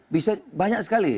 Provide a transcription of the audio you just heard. bisa banyak sekali